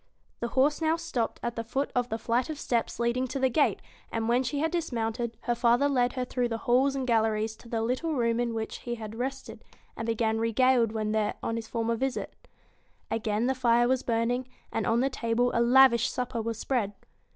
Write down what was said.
The horse now stopped at the foot of the flight of 87 BEAUTY steps leading to the gate, and when she had dis AND THE mounted, her father led her through the halls and BEAST galleries to the little room in which he had rested and been regaled when there on his former visit Again the fire was burning, and on the table a lavish supper was spread.